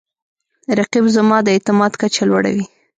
رقیب زما د اعتماد کچه لوړوي